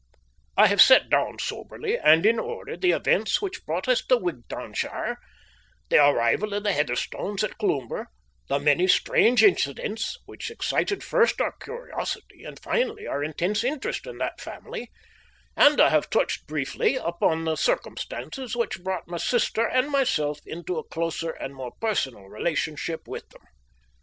I have set down soberly and in order the events which brought us to Wigtownshire, the arrival of the Heatherstones at Cloomber, the many strange incidents which excited first our curiosity and finally our intense interest in that family, and I have briefly touched upon the circumstances which brought my sister and myself into a closer and more personal relationship with them.